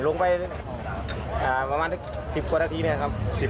ลงไปประมาณ๑๐กว่านาทีเนี่ยครับ